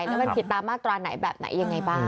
แล้วมันผิดตามมาตราไหนแบบไหนยังไงบ้าง